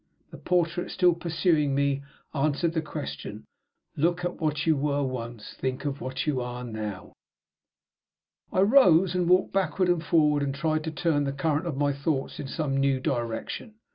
The portrait, still pursuing me, answered the question: "Look at what you were once; think of what you are now!" I rose and walked backward and forward, and tried to turn the current of my thoughts in some new direction.